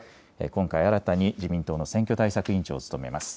今回、新たに自民党の選挙対策委員長を務めます。